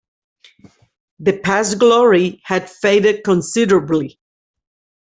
The past glory had faded considerably.